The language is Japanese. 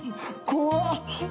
怖っ！